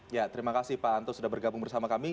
ya terima kasih pak anto sudah bergabung bersama kami